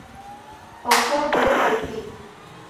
Okoble malpli.